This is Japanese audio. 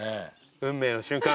運命の瞬間。